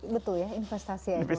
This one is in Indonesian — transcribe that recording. betul ya investasi ya